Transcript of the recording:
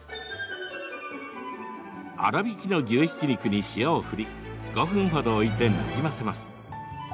粗びきの牛ひき肉に塩を振り５分ほど置いてなじませます。